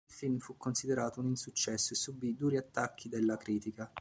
Il film fu considerato un insuccesso e subì duri attacchi della critica.